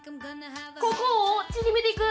ここを縮めていく。